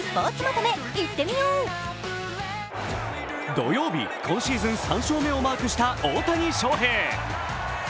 土曜日、今シーズン３勝目をマークした大谷翔平。